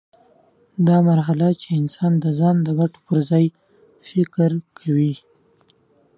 دا مرحله چې انسان د ځان ګټو پر ځای فکر کوي.